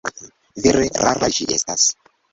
Vere rara ĝi estas.